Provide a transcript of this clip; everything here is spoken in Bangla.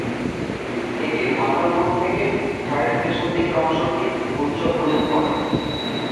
এটির মাথার উপর থেকে ঘাড়ের পেছন দিকের অংশটি উজ্জ্বল হলুদ বর্ণের।